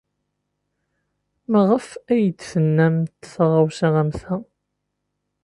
Maɣef ay d-tennamt taɣawsa am ta?